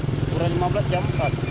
kurang lima belas jam empat